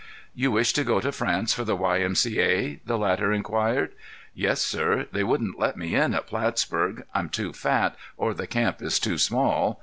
"You wish to go to France for the Y. M. C. A.?" the latter inquired. "Yes, sir. They wouldn't let me in at Plattsburg. I'm too fat, or the camp is too small.